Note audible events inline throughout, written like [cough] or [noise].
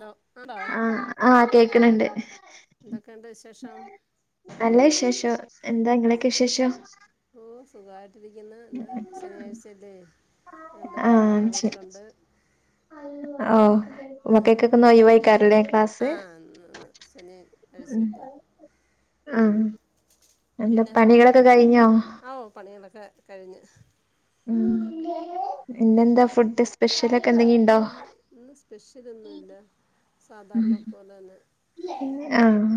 Hello ആടോ ആഹ് ആ കേക്ക്ണ് ണ്ട്. എന്തൊക്കെയുണ്ട് വിശേഷം നല്ല വിശേഷം എന്താ ഇങ്ങളെയൊക്കെ വിശേഷം? ഓ സുഖായിട്ടിരിക്കുന്നു. ഇന്ന് ശനിയാഴ്ചയല്ലേ രണ്ട് മക്കളൊക്കെ ശരി വീട്ടിലുണ്ട്. ആഹ്. മക്കക്കൊക്കെ ആഹ് ഇന്ന് ഒഴിവായിക്കാരല്ലേ ക്ലാസ് ആഹ് ന്ന് ന്ന് ശനിയാഴ്ച ഉം ല്ലേ. ഉം ആഹ് എന്താ പിന്നെ വേറെ പണികളൊക്കെ കഴിഞ്ഞോ ആ ഓ പണികളൊക്കെ കഴിഞ്ഞ്. ഉം ഇന്നെന്താ ഫുഡ് സ്പെഷ്യലൊ ന്ന് ന്ന് ഇന്ന് സ്പെഷ്യലൊന്നുല്ല. സാധാരണ പോലെന്നെ. ആഹ്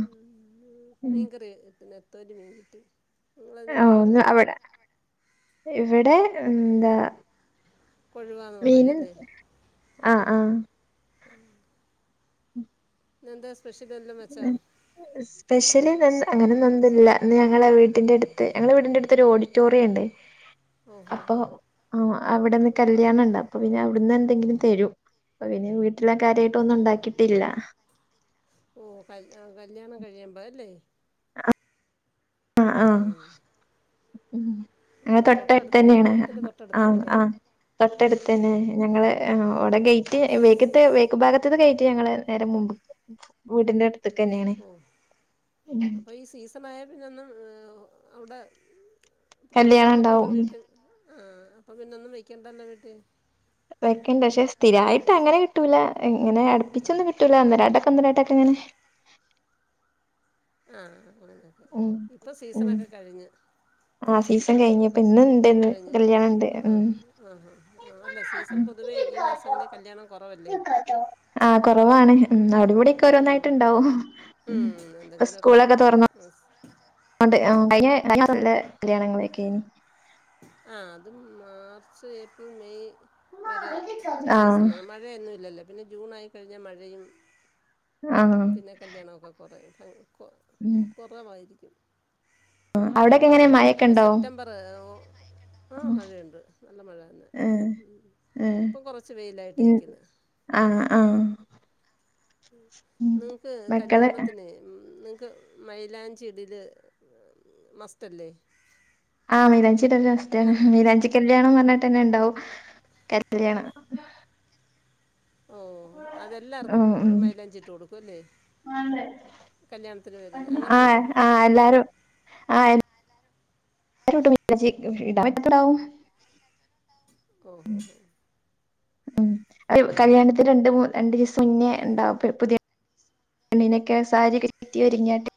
മി മീൻകറി വെക്ക് നെ. ത്തൊരു മീൻ കിട്ടി? നിങ്ങളതിനെന്ത് ഉം പറയുന്നത് അവ്ടെ, ഇവിടെ എന്താ കൊഴുവാന്ന് മീന് പറയല്ലേ ആഹ് ആഹ്. ഉം ഇന്നെന്ത സ് പെഷ്യല്ള്ളത് സ്പെഷ്യല് അങ്ങനൊന്നു ഇന്നില്ല ഇന്ന് ഞങ്ങളെ വീട്ടിന്റെട്ത്ത് ഞങ്ങളെ വീടിന്റെ അടുത്തൊരു ഓഡിറ്റോറിയം ഉണ്ട് ഓ ഹോ അപ്പൊ ഹോ ആഹ് അവിടെന്ന് കല്യാണണ്ട് അപ്പൊ പിന്നെ അവിടുന്ന് എന്തെങ്കിലും തരും. അപ്പ പിന്നെ വീട്ടില കാര്യായിട്ട് ഒന്നും ഉണ്ടാക്കിട്ടില്ല. ഓ ക ആ കല്യാണം കഴിയുമ്പോ അല്ലേ ആഹ് ആഹ് ആ ഉം. ഓ ഞങ്ങളെ തൊട്ടടുത്ത് തൊട്ടട്ത്തെന്നെണ് ഓഡിറ്റോറിയത്തിൻ്റെ തൊട്ടടുത്താ ആഹ് വീട് ആഹ് തൊട്ടട്ത്തന്നെ ഞങ്ങള് ആഹ് അവ്ടെ ഗേറ്റ് അപ്പം വേക്ക്‌ ത്ത് ബാക്ക് ഭാഗത്ത്തെ ഗേറ്റ് ഞങ്ങള് നേരെ മുമ്പ് വീടിന്റെട് ത്തെകെന്നെണ് ഉം ട്‌ത്തെന്നായാൽ പിന്നെ ഒന്ന് അവ്ടെ പ്രോഗ്രാം കല്യാണം ഉള്ളപ്പൊ ഒന്നും ഉണ്ടാവും വീട്ടിൽ ആഹ് അപ്പം പിന്നെ ഒന്നും വെക്കേണ്ടല്ലൊ വീട്ടിൽ. വെക്കണ്ട പക്ഷെ സ്ഥിരായിട്ട് അങ്ങനെ കിട്ടൂല ഇങ്ങനെ അടുപ്പിച്ചൊന്നും കിട്ട് ട്ടൂല ഒന്നരാടക്കെ ഒന്നരാടൊക്കങ്ങനെ ആഹ് ഉം ഇപ്പം ഉം സീസണൊക്കെ കഴിഞ്ഞ്. ആഹ് സീസൺ കഴിഞ്ഞ് ഇപ്പൊ ഇന്ന്ണ്ട് ഇന്ന് കഴിഞ്ഞ് കല്യാണണ്ട് ഉം ആഹ് ആഹ് ആ അല്ല സീസൺ പൊതുവെ ഈ മാസ ങ്ങളിൽ കല്യാണം കുറവല്ലേ ആഹ് കുറവാണ്. ഉം അവടെം വ്ടേംക്കെ ഉം ഓരോന്നായിട്ട്ണ്ടാവും ഉം ഇപ്പൊ എന്തെങ്കിലുമൊക്കെ സ്കൂളൊക്കെ തൊറന്നോ [inaudible] ന്നൊണ്ട് കഴിഞ്ഞ കഴിഞ്ഞ മാസത്തിൽ കല്യാണങ്ങളെക്കേനി ആഹ് അതും മാർച്ച് ഏപ്രിൽ മെയ് വരെ ആ സീസണാണ് മഴയൊന്നു ഇല്ലല്ലോ പിന്നെ ജൂണായിക്കഴിഞ്ഞാ മഴയും ആഹ് കല്യാണഒക്കെ കൊറെയും ഉം കുറവായിരിക്കും അവിടൊക്കെ എങ്ങനെ മഴൊക്കെ ഇഞ്ഞിപ്പോ ഉണ്ടോ സെപ്റ്റംബർ ഓ ആഹ് മഴയുണ്ട് നല്ല മഴതന്നെ ഏ ഉം ഏ ഇപ്പം കുറച്ച് വെയിലായിട്ടാക്ക്ന്ന് ആഹ് ആഹ് ഉം നിങ്ങക്ക് മക്കള് കല്യാണത്തിന് ഉം നിങ്ങക്ക് മൈലാഞ്ചിടല് മസ്റ്റ്ല്ലേ ആഹ് മൈലാഞ്ചിടല് മസ്റ്റാന് അങ്ങനെ മൈലാഞ്ചി കല്യാണം പറഞ്ഞിട്ടെന്നെണ്ടാവും കല്യാണം ഓഹ് അതെല്ലാർക്കും മൈലഞ്ചിട്ട് കൊടുക്കു അല്ലേ ആണ്ട് കല്യാണത്തിന് വരുന്ന ആ അങ്ങനെയാണോ ആ എല്ലാരും ആഹ് എ എല്ലാരും ഇടും മൈലാഞ്ചി ഇടാൻ പറ്റോത്തോലാവും കോ ഹോഹൊ ഉം കല്യാണത്തിന് രണ്ട് മൂന്ന് രണ്ടീസം മുന്നേ ഇണ്ടാവും പുതിയ പെണ്ണിനൊക്കെ സാരിക്കെ ചുറ്റി ഒരുങ്ങിയാണ്ട്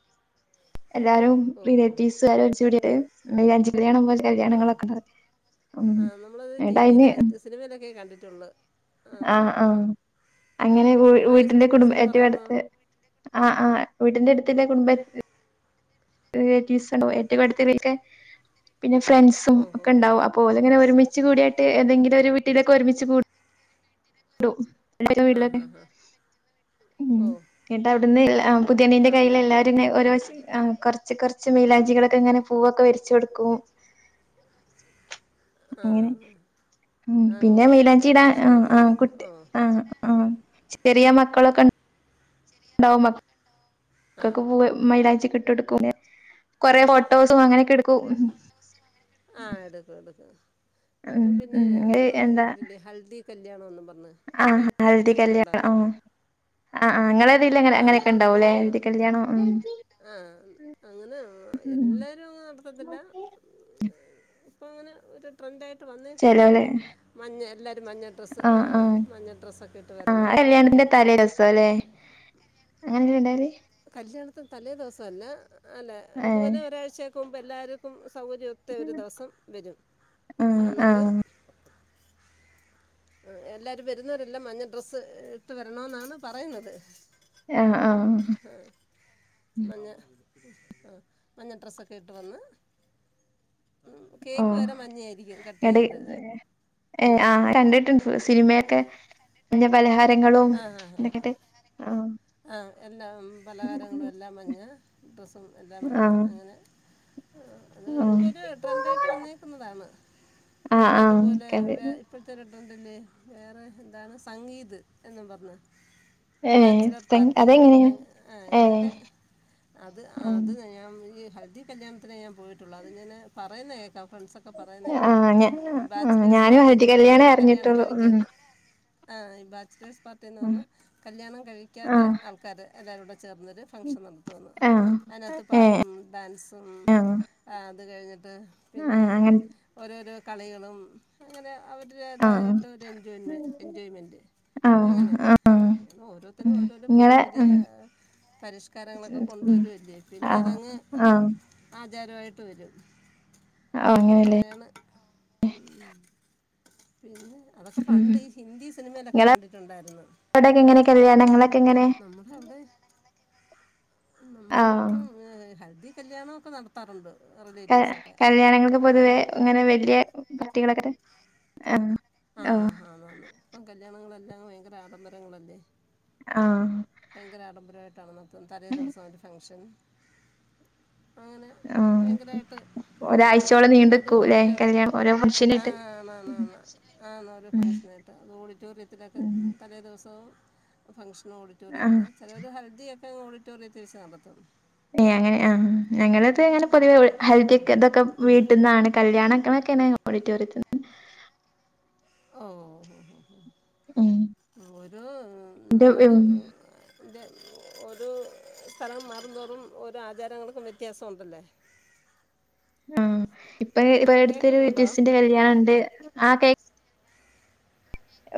എല്ലാരും ഓഹോ റിലേറ്റീവ്സാര് ഒരിച്ചൂടിട്ട് മൈലാഞ്ചി കല്യാണം പോലെ ആഹ് കല്യാണങ്ങളൊക്കണ്ട് ആഹ് നമ്മളത് ടി വില് സിനിമയിലൊക്കെ കണ്ടിട്ടുള്ളു ആ ആഹ് ആ ആ അങ്ങനെ വീ ആ വീട്ടിന്റെ എക്സ്പീരിയൻസ് കുടുംബ ഒന്ന് ഏറ്റവും പറയാമോ അടുത്തെ അഹ് ആഹ് വീട്ടിന്റെ എടുത്തില്ലേ കുടുംബ റിലേറ്റീവ്സ്ണ്ട്, ഏറ്റവും അടുത്തെറീൽ കേ പിന്നെ ഫ്രണ്ട്സും ഓഹോ ഹോ ഒക്കെണ്ടാവും അപ്പോലെങ്ങനെ ഒരുമി ച്ച് കൂടിയിട്ട് എന്തെങ്കിലും ഒരു വീട്ടിലേക്ക് ഒരുമിച്ച് കൂ ആഹ് ഹാ [unintelligible] ഹാ ഉം, ഓ ന്നട്ട് അവിടുന്ന് എല്ല പുതിയണ്ണിന്റെ ആഹ് കയ്യില് എന്നിട്ട് എല്ലാരും ങ്ങനെ ഓരോ ആഹ് കൊറച്ച് കൊറച്ച് മൈലാഞ്ചികളൊക്കെ ഇങ്ങനെ പൂവൊക്കെ വരച്ച് കൊടുക്കും അങ്ങനെ ആഹ് ഉം പിന്നെ അങ്ങനെ മൈലാഞ്ചിടാ ആഹ് ഫംഗ്ഷനായിട്ട് ആഹ് നടന്നു കുട്ടി ഓ ആഹ് ആഹ് ചെറിയ മക്കളൊക്കെണ്ട ണ്ടാവും മ ആഹ് മക്കക്കും പൂവേ മൈലാഞ്ചിക്കെ ഇട്ടിട്ട് കൊടുക്കും പിന്നെ കൊറേ ഫോട്ടോസും അങ്ങനെ ഒക്കെ എടുക്കും ആഹ് എടുക്കു, എടുക്കു ഇപ്പം പിന്നെ ഉം ഇങ്ങള് നമ്മള് കേട്ടിട്ടില്ലേ ഹൽദി കല്യാണന്നും പറഞ്ഞ് ആഹ് കേ ഹൽദി കേട്ടിട്ടുണ്ടോ കല്യാണം ആഹ് ആഹ് ആഹ് ഇങ്ങളതീല് എങ്ങനെ ആഹാ അങ്ങനെക്കെ ഉണ്ടാവൂല്ലേ, എല്ലാവരും ഹെൽദി കല്യാണം ഉം ആഹ് അങ്ങനെ ഉം എല്ലാരും അങ്ങനെ നടത്തത്തില്ല ഇപ്പ അങ്ങനെ ഒരു ട്രെൻഡായിട്ട് വന്നേക്കുവാണത് മഞ്ഞ എല്ലരും മഞ്ഞ ഡ്രസ്സ് ആ ആഹ് ആഹ് മഞ്ഞ ഡ്രസ്സൊക്കെ ഇട്ട് ആഹ് വരണം കല്യാണന്റെ തലേസം ലെ അങ്ങനെല്ലേ ഉണ്ടാവൽ കല്യാണത്തിന് തലേദിവസല്ല അല്ല ഏ ഇതുപോലെ ഒരാഴ്ചക്കുമ്പ് എല്ലാര്ക്കും സൗകര്യം ത്തെ ഒരു ദവസം വരും ആഹ് വന്നിട്ട് ആഹ് ആഹ് എല്ലാരും വരുന്നവരെല്ലാം മഞ്ഞ ഡ്രസ്സ് ഇട്ട് വരണമെന്നാണ് പറയുന്നത് ഏഹ് ആഹ് ഹാ മഞ്ഞ ആഹ് മഞ്ഞ ഡ്രസ്സൊക്കെ ഇട്ട് വന്ന് ഉം ഓ കേക്ക് വേരെ മഞ്ഞായിരിക്കും കട്ട്യ്യുന്നത് ഏഹ് ആഹ് കണ്ടിട്ടുണ്ട് സിനിമയൊക്കെ മഞ്ഞ പലഹാരങ്ങളും ഇതിട്ടിട്ട് അഹ് ആഹ് എല്ലാം പലഹാരങ്ങളും എല്ലാം മഞ്ഞ ഡ്രസ്സും എല്ലാം മഞ്ഞാ ആഹ് അങ്ങനെ. അ, അങ്ങനെ ആഹ് ഇപ്പെരു ട്രെൻ്റായിട്ട് വന്നേക്കുന്നതാണ്. ആഹ് പിന്നെ ആഹ് അതുപോലെ കണ്ട് വേ ഇപ്പാഴ്ത്തെ ഒരു ട്രെന്റില്ലേ, വേറെ എന്താണ് സംഗീത് എന്നും പറഞ്ഞത്. ഏ ബാച്ചലർ തെങ് പാർട്ടി അതെങ്ങനെയാ അങ്ങ്, ആഹ് ഏ അങ്ങനെയൊക്കെ. അത് ആഹ് അത് ഞയം ഈ ഹൽദി കല്യാണത്തിനെ ഞാൻ പോയിട്ടെള്ളൂ. അത് ങ്ങനെ, പറയുന്നത്ക്കേക്കാം ഫ്രണ്ട്സെക് ഒക്കെ പറയുന്ന കേക്കാം. ആഹ് ഞ ആഹ് ബാച്ചിലേഴ്സ് ഞാനും ഹൽദി പാർട്ടീന്ന് പറഞ്ഞാ. കല്യാണേ അത് കല്യാണം അറിഞ്ഞിട്ടുള്ളൂ ഉം കഴിക്കാത്ത ആഹ് ഈ ബാച്ചലേഴ്സ് പാർട്ടീന്ന് ഉം പറഞ്ഞ കല്യാണം കഴിക്കാത്ത ആഹ് ആൾക്കാര് എല്ലാവരും കൂടെ ചേർന്നെര് ഫങ്ഷെൻ എട്ത്തുന്ന് ആഹ് അതിനാത്ത് ഏ പാട്ടും, ഡാൻസും, ആഹ് ആഹ് അത് കഴിഞ്ഞിട്ട്. പിന്നെ ആഹ് അങ്ങനെ ഓരോരോ കളികളും. അങ്ങനെ ആഹ് അവരുടേതായിട്ട് ഒരു എൻജോയിൻമെ എൻജോയ്മെൻറ് ആഹ് അങ്ങനെ, ആഹ് അങ്ങനെ ഓരോരുത്തരും ഉം ഓരോരെ പുതിയ, ഇങ്ങളെ പുതിയ. ഉം പരിഷ്കാരങ്ങളൊക്കെ ഉം കൊണ്ടുവരു ല്ലേ... പിന്നെ ആഹ് അതങ്ങ്. ആഹ് ആചാരയിട്ട് വരും. അങ്ങനെല്ലേ അങ്ങനെയാണ്. ഉം. പിന്നെ, അതൊക്കെ ഉം പണ്ട് ഈ ഹിന്ദി സിനിമയിലൊക്കെ കണ്ടിട്ടുണ്ടായിരുന്നു. അവിടെക്കെ, എങ്ങനെ കല്ലൃണങ്ങളെക്കെ എങ്ങനെ നമ്മക്കുണ്ട്. ആഹ് നമ്മുക്ക് ഹൽദി കല്യാണൊക്കെ നട ത്തറുണ്ട് ക റിലേറ്റീവ്സൊക്കെ. കല്യാണങ്ങൾക്ക് പൊതുവെ ഇങ്ങനെ വല്യ പട്ടികളൊക്കെ അഹ് ആഹ് അതാണ്‌ ഇപ്പം കല്യാണങ്ങളെല്ലാം ഭയങ്കര ആഡംബരങ്ങളല്ലേ. ആഹ്. ഭയങ്കര ആഡംബരമായിട്ടാണ് മെത്തം തലേ ദിവസം ഒരു ഫംഗ്ഷൻ. അങ്ങനെ ആഹ് ഭയങ്കരായിട്ട്. നടത്തും ഒരാഴ്ചയോളം അതും നീണ്ട്ക്കൂല്ലേ ഓഡിറ്റോറിയത്തി കല്യാണം ഓരോ ഫംഗ്ഷനായിട്ട് ആഹ് ആന്നു ആന്നു ആന്നു ആന്നാല് ഉം ഫംഗ്ഷനായിട്ടാ ഓഡിറ്റോറിയത്തിലൊക്കെ ഉം തലേ ദിവസവും ഫംഗ്ഷനും ഓഡി ആഹ് റ്റോറിയത്തില് ചെലര് ഹൽദി ഒക്കെ ഓഡിറ്റോറിയത്തിൽ വെച്ച് നടത്തും. ഏയ് അങ്ങനെ ആഹ് ഞങ്ങളൊക്കെ ഇങ്ങനെ പൊതുവെ ഹൽദി ഒക്കെ തൊക്കെ വീട്ട്ന്നാണ് കല്യാണങ്ങളൊക്കെണ്. ഓഡിറ്റോറിയത്ത്ന്ന്. ഓഹ് ഹോഹ് ഉം ഹോഹ് ഒരു ഇന്റെ നാട്. ഉം ൻ്റെ ഓരോ സ്ഥലം മറുംന്തോറും ഓരോ ആചാരങ്ങൾക്കും വ്യത്യാസോണ്ടല്ലേ. ആഹ് ഇപ്പൊ പ്പ അടുത്തെരു കേൾക്കുന്നുണ്ടോ റിലേറ്റീവ്സ്സിന്റെ കല്യാണണ്ട് ആ കയ്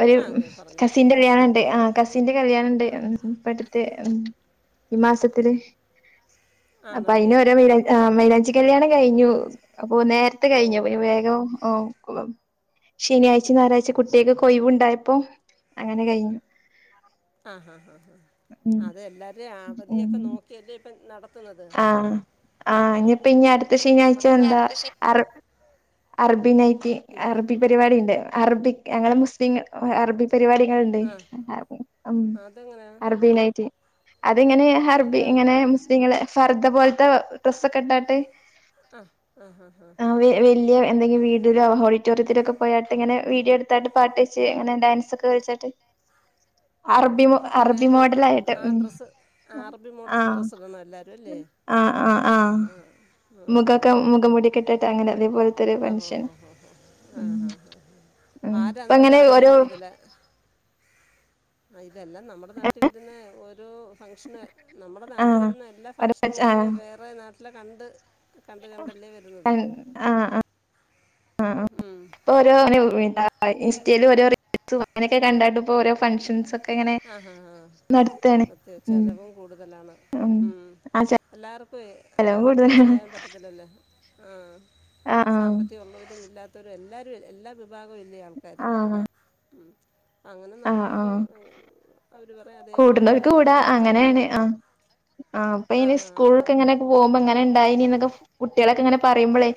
ഒരു ആ കേ പറഞ്ഞു കസിന്റെ കല്യാണണ്ട് ആഹ് കസിന്റെ കല്യാണണ്ട് ഉം ഇപ്പ അടു തെ ഉം ഈ മാസത്തില് അപ്പ അയിന് ഓരേ മൈലാഞ്ചി ആ മൈലാഞ്ചി കല്യാണം കഴിഞ്ഞു അപ്പൊ നേരത്തെ ഓ കഴിഞ്ഞു അപ്പൊ ഞാൻ വേഗം ഓഹ് ഉം ശനിയാഴ്ചയും ഞായറാഴ്ചയും കുട്ട്യാക്കൊക്കെ ഒഴിവ് ഇണ്ടായപ്പോ അങ്ങനെ കഴിഞ്ഞു ആഹ് ഹാഹ് ഹാഹ് ഉം അതെല്ലാരെ ഉം അവധിയൊക്കെ നോക്കിയല്ലേ ഇപ്പ നട ആഹ് ആഹ് ഇഞിപ്പ ഇഞി അടുത്ത ശനിയാഴ്ച മക്ക- എന്താ അർ അർബീ നൈറ്റ് എന്താണ് അറബി പരിപാടിണ്ട് അറബിക് ഞങ്ങളെ മുസ്ലിങ്ങൾ അറബിക് പരിപാടികള്ണ്ട് ആ ഉം അതെങ്ങനെയാ അറബീ നൈറ്റ്‌ അത്ങ്ങനെ ഹർബി അതെന്താണ് ങ്ങനെ മുസ്ലിങ്ങളെ ഫർദ പോൽത്തെ ഡ്രെസ്സെക്കെ ഇട്ടാട്ട്. ആഹ് ഹാഹ് ഹാഹ് വി വല്യ എന്തെങ്കിലും വീടിലോ ഓഡിറ്റോറിയത്തിലൊക്കെ പോയാട്ട് ഇങ്ങനെ വീഡിയോ എടുത്താട്ട് പാട്ട് വെച്ച് അങ്ങനെ ഡാൻസൊക്കെ വെച്ചാട്ട്. ഓഹ് ഓഹ് എല്ലാരും ആ ഡ്രസ്സ് ആ അറബി മോഡൽ ആഹ് ഡ്രസ്സ് ഇടണം എല്ലാരും ആഹ് ആഹ് ആഹ് മുഖൊക്കെ മുഖ മുടിയൊക്കെട്ടിട്ട് അങ്ങനെ അതേപോലെ. ഓഹ് ഓഹൊ ഹോഹ് ആഹ് ആഹ് ആഹ് ഉം ആരാ ഇപ്പ എന്നൊന്നിട്ട് അങ്ങനെ അറിയാൻ ഓരോ പറ്റത്തില്ല. ആഹ് ഇതെല്ലാം നമ്മുടെ നാട്ടിൽ വരുന്നെ ഓരോ ഫങ്ഷന്. നമ്മുടെ നാട്ടിൽ ആഹ് വരുന്ന എല്ലാ ഫംഗ്ഷനും ഓരോ വേറെ നാട്ടില് കണ്ട്. കണ്ട് കണ്ടല്ലേ വരുന്നത്. ആഹ് ആഹ് ആഹ് ഉം ഇപ്പോ ഓരോ എന്താ ഇൻസ്റ്റയിൽ ഓരോ റീൽസും അങ്ങനൊക്കെ കണ്ടാണ്ട് ഇപ്പ ഓരോ ഫഗ്ഷൻസ് ഒക്കെ ഇങ്ങനെ ആഹാ ഹാഹ് നടത്താണ് സത്യാ ഉം ചിലവും കൂടുതലാണ് ഉം ആ എല്ലാർക്കുവേ അത് ചെലവ് കണക്ക് കൂടുതലാണ് ചെയ്യാൻ പറ്റത്തില്ലല്ലോ ആഹ് ആഹ് സാമ്പത്തികമുള്ളവരും ഇല്ലാത്തവരും എല്ലാവരും എല്ലാ വിഭാഗവും ഇല്ലേ ആൾക്കാര് ആഹ് ആഹ് ഉം അങ്ങനെ നടത്തുമ്പം ഏഹ് കൂടുന്നവർക്ക് കൂടാ നടത്തണമെന്ന് അങ്ങനെയാണ് പറയും ആഹ് ആഹ് ഇപ്പ ആ അയ്ന് ആണ് സ്കൂൾക്ക് ആണ് ഇങ്ങനെ ആണ് പോവുമ്പ ഇങ്ങനെ ഉം. ഇണ്ടായിനി എന്നൊക്കെ കുട്ട്യാളൊക്കെ ഇങ്ങനെ പറയുമ്പളേ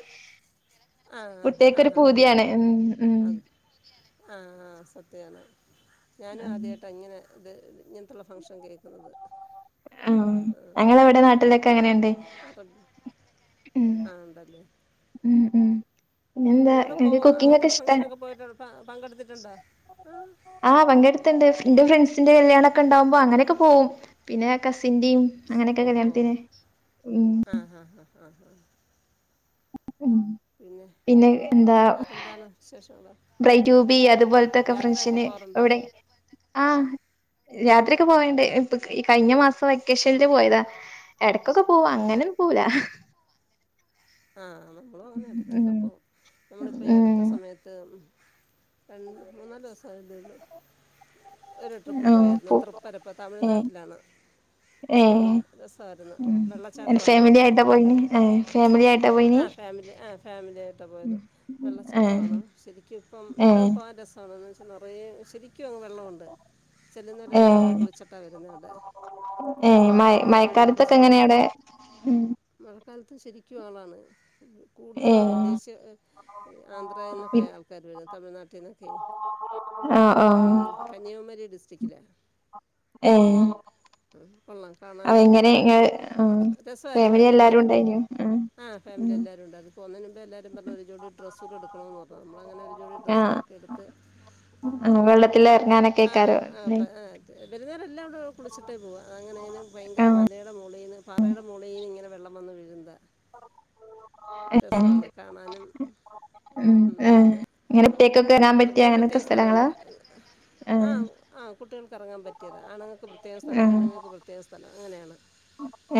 കുട്ടികക്ക് ഒരു പൂതിയാണ് ഉം ഉം അതെ ആഹ് ആഹ് സത്യാണ് ഞാനും ഉം ആദ്യായിട്ടാ ഇങ്ങനെ ഇത് ഇങ്ങനത്തുള്ള ഫംഗ്ഷൻ കേൾക്കുന്നത് ആണോ ഞങ്ങള് ഇവിടെ നാട്ടിലൊക്കെ എങ്ങനെയുണ്ട്? ആഹ് ഉണ്ടല്ലേ ഉം ഉം പിന്നെന്താ നിങ്ങള് ഇങ്ങക്ക് പോവോ കുക്കിംഗ് ഒക്കെ അങ്ങനത്തെുള്ള ഇഷ്ടാ ഫംഗ്ഷനൊക്കെ പോയിട്ട് പങ്കെടുത്തിട്ടുണ്ടോ? ആഹ് ആഹ് പങ്കെടുത്തുണ്ട് എന്റെ ഫ്രണ്ട്സിന്റെ കല്യാണ ഒക്കെ ഇണ്ടാവുമ്പോ അങ്ങനെയൊക്കെ പോകും പിന്നെ കസിന്റെയും അങ്ങനെയൊക്കെ കല്യാണത്തിന് ഉം ആഹാ ഹാ ആഹാ ഉം പിന്നെ വേറെന്താണ് വിശേഷങ്ങള്? ബ്രൈഡ് ടു ബി അതുപോലത്തൊക്കെ ഫങ്ക്ഷന് പോകാറുണ്ടോ ഇവിടെ ആഹ് യാത്രയൊക്കെ പോയണ്ട് ഇപ്പ ഈ കഴിഞ്ഞ മാസം വെക്കേഷനിൽ പോയതാ എടക്കൊക്കെ പോവും അങ്ങനെയൊന്നും പോവൂലാ ആ നമ്മളും അങ്ങനെ ഇടക്കൊക്കെ ഉം പോവും നമ്മളിപ്പോൾ ഈ അടുത്ത ഉം സമയത്ത് രണ്ട് മൂന്നാല് ദിവസം ആയെന്ന് തോന്നുന്നു ഒരു ട്രിപ്പ് ആഹ് പോയായിരുന്നു പോ തൃപ്പരപ്പ് ഏഹ് തമിഴ്നാട്ടിലാണ് ഉം ഉം ഏഹ് രസമായിരുന്നു വെള്ളച്ചാട്ടവാണ് ങ്ട്ടാ പോനി ഏഹ് ഫാമിലിയായിട്ട പോയി ആ ഫാമിലി ആ ഫാമിലി ആയിട്ടാണ് പോയത്. ഏഹ് വെള്ളച്ചാട്ടമാണ് ശെരിക്കും ഇപ്പം ഏഹ് ഇപ്പോഴും പോകാൻ രസം ണോന്നു വെച്ചാ നെറയേ ശരിക്കും അങ്ങ് വെള്ളവുണ്ട് ചെല്ലുന്നവരെല്ലാം ഏഹ് കുളിച്ചിട്ടാ വരുന്ന അവിടെ ഏഹ് മയ ഒരു ജോഡി ഡ്രസ്സ് മയക്കാലത്തൊക്കെ കൊണ്ട് എങ്ങനെയാ അവിടെ? മ് മഴക്കാലത്ത് ശെരിക്കും ആളാണ് കൂടുതലും ഏഹ് വിദേശീ ഏഹ് ആന്ധ്രയിന്നൊക്കെ ആൾക്കാര് വരുന്ന തമിഴ്നാട്ടിന്നൊക്കെയേ ആഹ് ആ കന്യാകുമാരി ഡിസ്ട്രിക്റ്റിലാ ഏഹ് കൊള്ളാം ആ കാണാനും ഇങ്ങനെ എങ്ങനെആഹ്. ഫാമിലി എല്ലാരും ഉണ്ടായിനു ആഹ് ഫാമിലി എല്ലാരും ഉണ്ടായിരുന്നു. പോന്നേനു മുൻപേ എല്ലാരും പറഞ്ഞു ഒരു ജോടി ഡ്രസ്സൂടി എടുക്കണംന്ന് പറഞ്ഞു അപ്പോൾ നമ്മളങ്ങനെ ഒരു ജോടി ആഹ് ഡ്രസ്സൂടൊക്കെ എടുത്ത് ആഹ് വെള്ളത്തില് ആ എറങ്ങാനൊക്കെക്കാരം ആ ല്ലേ ആ അതെ വരുന്നോരെല്ലാം അവിടെ കുളിച്ചിട്ടേ പോവാ അങ്ങനെങ്ങനെ ഭയങ്കര ആഹ് മലയുടെ മുകളീന്ന് പാറയുടെ മുകളീന്ന് ഇങ്ങനെ വെള്ളം വന്ന് വീഴുന്നതാ രസമാണ് കാണാനും ഉം മ് ആഹ് അതെ ഇങ്ങനെ ഒറ്റക്കൊക്കെ മ് വരാൻ പറ്റിയ പ്രത്യേകം അങ്ങനൊക്കെ പ്രത്യേകം സ്ഥലങ്ങളാ സ്ഥലമുണ്ട് ആഹ് ആ കുട്ടികൾക്ക് ഇറങ്ങാൻ പറ്റിയത് ആണുങ്ങൾക്ക് പ്രത്യേക സ്ഥലം ആഹ് പെണ്ണുങ്ങൾക്ക് പ്രത്യേക സ്ഥലം അങ്ങനെയാണ്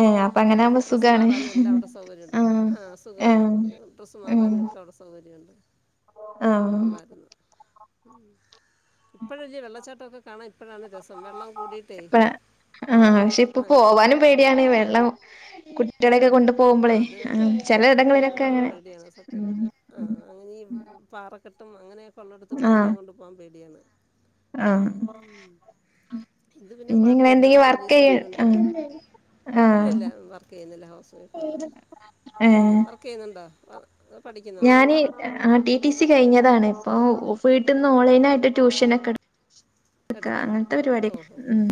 ഏഹ് അപ്പൊ അങ്ങനെ പിന്നെ ആവുമ്പോ ഡ്രസ്സ് സുഖാണ് മാറാനും എല്ലാം അവിടെ സൗകര്യമുണ്ട് ആഹ് ആ അസുഖാണ് ആഹ് ഡ്രസ്സ് ഉം മാറാനുമൊക്കെ അവിടെ സൗകര്യമുണ്ട് ആഹ് കൊള്ളാരുന്ന്. ഇപ്പഴല്ലേ വെള്ളച്ചാട്ടൊക്കെ കാരണം ഇപ്പഴാണ് രസം വെള്ളം കൂടിട്ടെ ഇപ്പ ആഹ് പക്ഷെ ഇപ്പൊ പോവാനും പേടിയാണ് വെള്ളം കുട്ടികളെയൊക്കെ കൊണ്ടു പോകുമ്പോളെ ആഹ് പുട്ട ചെലയിടങ്ങളിലൊക്കെ ആഹ് അങ്ങനെ പേടിയാണ് സത്യം ഉം ആഹ് അങ്ങനെ ഈ പാറക്കെട്ടും അങ്ങനെയൊക്കെ ഉള്ളടുത്ത് ആഹ് കുട്ടികളെകൊണ്ട് പോകാൻ പേടിയാണ്. ആഹ് ഉം ഇത് പിന്നെ ഇങ്ങള് കൊഴപ്പമില്ല അവിടെ എന്തെങ്കിലും വർക്ക് ചെയ്യ പോലീസൊക്കെ ഉണ്ട്. ആഹ് ഇല്ല ആഹ് ഇല്ല വർക്ക് ചെയ്യുന്നില്ല ഹൗസ് വൈഫ് ആണ്. ഏഹ് ബുക് ചെയ്യുന്നുണ്ടാ ഞാന് ആഹ് ടി റ്റിസി കഴിഞ്ഞതാണ് ഇപ്പൊ വീട്ടിന്ന് ഓൺലൈനായിട്ട് ട്യൂഷൻ ഒക്കെ എക്ക എടുക്കുന്നത് അങ്ങനത്തെ പരിപാടി ഓ ഹോ ഹോ ഉം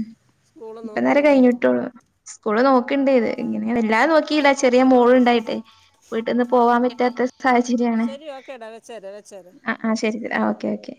സ്കൂൾ ഇപ്പ നേരെ നോക്കുന്നില്ലേ കഴിഞ്ഞിട്ടുള്ളു. സ്കൂള് നോക്കിണ്ടേ ഇത് ഇങ്ങനെയ എല്ലാരും നോക്കിയില്ല ചെറിയ മോൾ ഉണ്ടായിട്ട് വീട്ടിന്ന് പോവാൻ പറ്റാത്ത സാഹചര്യമാണ് ശരി ഓക്കേടാ വെച്ചേരെ വെച്ചേരെ അഹ് ആഹ് ശരി ടഓക്കെ ഓക്കെ